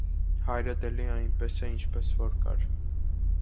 - Հայրդ էլի այնպես է, ինչպես որ կար: